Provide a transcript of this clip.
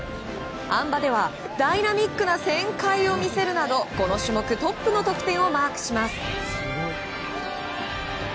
あん馬ではダイナミックな旋回を見せるなどこの種目トップの得点をマークします。